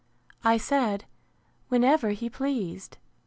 I said, whenever he pleased.